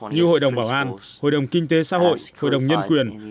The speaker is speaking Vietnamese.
như hội đồng bảo an hội đồng kinh tế xã hội hội đồng nhân quyền